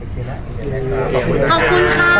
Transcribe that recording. ขอบคุณค่ะ